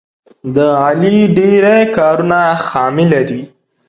د علي ډېری کارونه خامي لري.